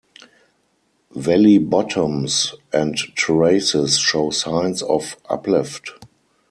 Valley bottoms and terraces show signs of uplift.